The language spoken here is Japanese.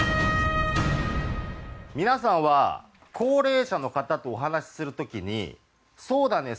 皆さんは高齢者の方とお話しする時にそうだね